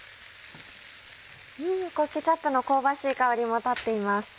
ケチャップの香ばしい香りも立っています。